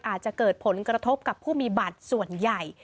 อาจจะเกิดผลกระทบกับผู้มีบัตรส่วนใหญ่